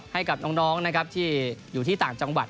ให้กับน้องนะครับที่อยู่ที่ต่างจังหวัด